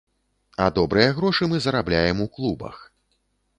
А добрыя грошы мы зарабляем у клубах.